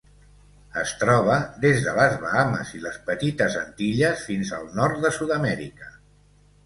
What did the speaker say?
Es troba des de les Bahames i les Petites Antilles fins al nord de Sud-amèrica.